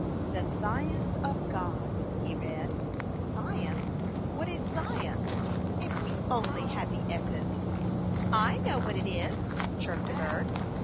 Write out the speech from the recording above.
" The science of God/' he read. *' Science, what is science ?" If we only had the " s s !"'" I know what it is," chirped a bird.